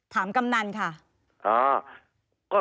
ถามกำนันค่ะ